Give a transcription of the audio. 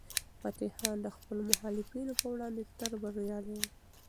فتح خان د خپلو مخالفینو په وړاندې تل بریالی و.